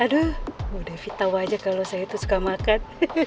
aduh bu devi tau aja kalau saya itu suka makan